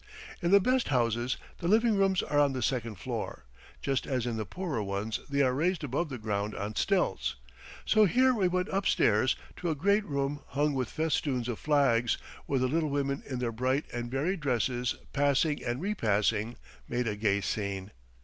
In the best houses the living rooms are on the second floor, just as in the poorer ones they are raised above the ground on stilts. So here we went upstairs to a great room hung with festoons of flags, where the little women in their bright and varied dresses passing and repassing made a gay scene.